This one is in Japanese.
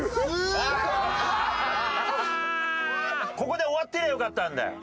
ここで終わってりゃよかったんだよ。